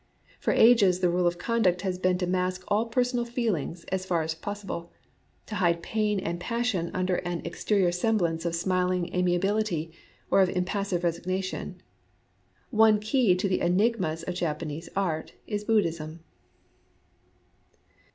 For ages the rule of conduct has been to mask all personal feeling as far as possible, — to hide pain and passion under an exterior semblance of smiling amiability or of impassive resignation. One key to the enig mas of Japanese art is Buddhism.